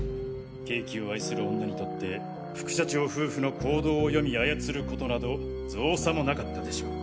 ケーキを愛する女にとって副社長夫婦の行動を読み操ることなど造作も無かったでしょう。